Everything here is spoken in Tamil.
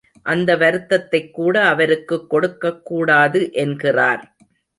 அந்த வருத்தத்தைக் கூட அவருக்குக் கொடுக்கக்கூடாது என்கிறார்.